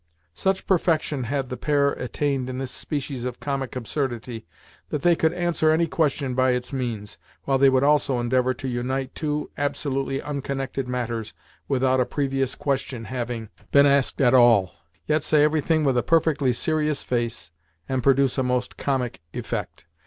Such perfection had the pair attained in this species of comic absurdity that they could answer any question by its means, while they would also endeavour to unite two absolutely unconnected matters without a previous question having been asked at all, yet say everything with a perfectly serious face and produce a most comic effect.